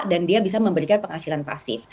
dan dia bisa memberikan penghasilan pasif